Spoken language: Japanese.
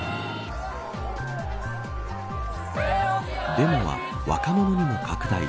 デモは若者にも拡大。